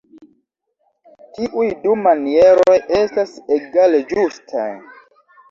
Tiuj du manieroj estas egale ĝustaj.